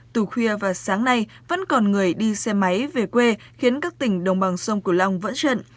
từ khuya và sáng nay vẫn còn người đi xe máy về quê khiến các tỉnh đồng bằng sông cửu long vẫn trận